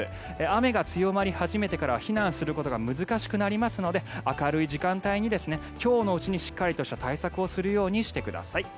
雨が強まり始めてから避難することが難しくなりますので明るい時間帯に今日のうちにしっかりとした対策をするようにしてください。